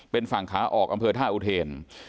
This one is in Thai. เป็นฝั่งขาออกอำเภอท่าอุเทน